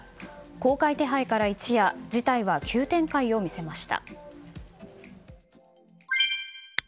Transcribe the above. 公開手配から一夜事態は急展開を見せました。